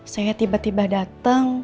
saya tiba tiba dateng